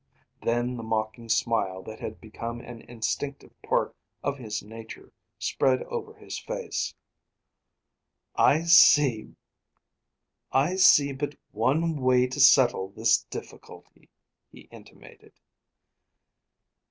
Then the mocking smile that had become an instinctive part of his nature spread over his face. "I see but one way to settle this difficulty," he intimated.